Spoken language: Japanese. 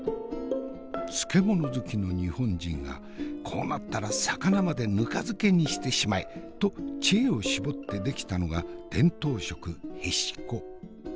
漬物好きの日本人がこうなったら魚まで糠漬けにしてしまえと知恵を絞って出来たのが伝統食へしこ。